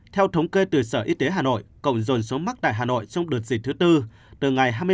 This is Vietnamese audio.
theo thống kê từ sở y tế hà nội cộng dồn số mắc tại hà nội trong đợt dịch thứ tư từ ngày hai mươi năm